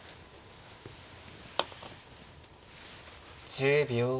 １０秒。